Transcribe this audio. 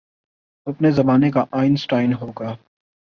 وہ اپنے زمانے کا آئن سٹائن ہو گا۔